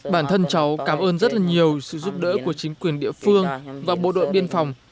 bản thân cháu cảm ơn rất là nhiều sự giúp đỡ của chính quyền địa phương và bộ đội biên phòng